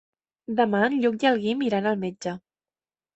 Demà en Lluc i en Guim iran al metge.